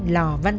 lò văn thư